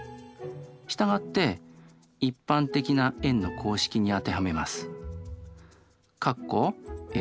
従って一般的な円の公式に当てはめます。